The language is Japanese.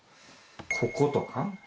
こことか。